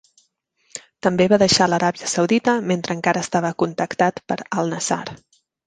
També va deixar l'Aràbia Saudita mentre encara estava contractat per Al Nassr.